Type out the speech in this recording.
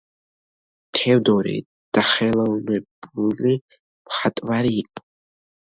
თევდორე დახელოვნებული მხატვარი იყო.